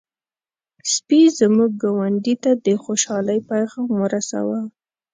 سپي زموږ ګاونډی ته د خوشحالۍ پيغام ورساوه.